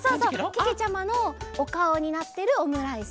けけちゃまのおかおになってるオムライス。